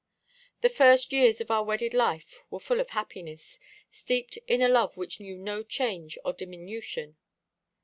The first years of our wedded life were full of happiness, steeped in a love which knew no change or diminution.